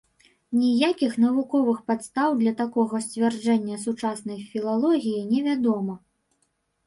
Ніякіх навуковых падстаў для такога сцвярджэння сучаснай філалогіі невядома.